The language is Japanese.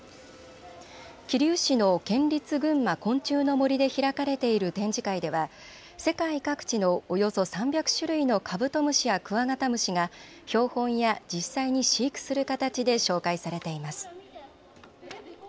桐生市の県立ぐんま昆虫の森で開かれている展示会では世界各地のおよそ３００種類のカブトムシやクワガタムシが標本や実際に飼育する形で紹介されています。